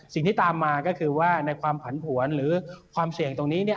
สิ่งที่ตามมาก็คือว่าในความผันผวนหรือความเสี่ยงตรงนี้